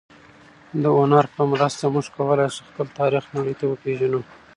د هنر په مرسته موږ کولای شو خپل تاریخ نړۍ ته وپېژنو.